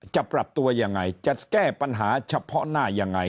จะปรับตัวยังไงจะแก้ปัญหาเฉพาะหน้ายังไง